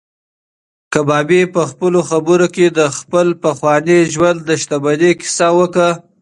کبابي په خپلو خبرو کې د خپل پخواني ژوند د شتمنۍ کیسه وکړه.